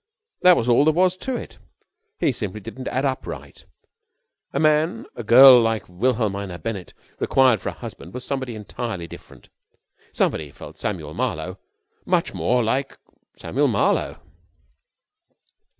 That was all there was to it. He simply didn't add up right. The man a girl like Wilhelmina Bennett required for a husband was somebody entirely different ... somebody, felt Samuel Marlowe, much more like Samuel Marlowe.